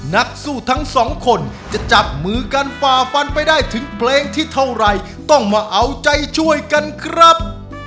ผมก็จะกลับไปฝึกซ้อมให้ดีครับ